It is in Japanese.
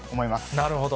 なるほど。